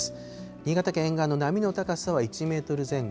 新潟県沿岸の波の高さは１メートル前後。